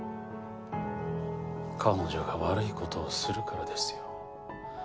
彼女が悪い事をするからですよ。